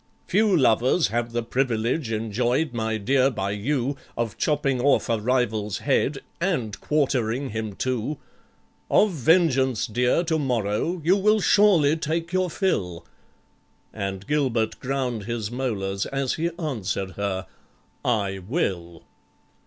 "Few lovers have the privilege enjoyed, my dear, by you, Of chopping off a rival's head and quartering him too! Of vengeance, dear, to morrow you will surely take your fill!" And GILBERT ground his molars as he answered her, "I will!"